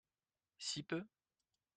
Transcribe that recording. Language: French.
Si peu